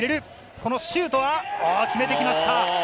このシュートは決めてきました。